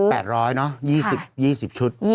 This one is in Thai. ๘๐๐เนอะ๒๐ชุด